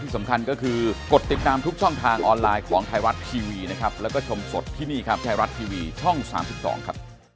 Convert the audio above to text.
สวัสดีครับ